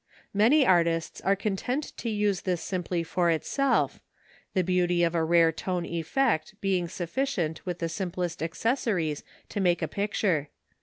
Many artists are content to use this simply for itself, the beauty of a rare tone effect being sufficient with the simplest accessories to make a picture.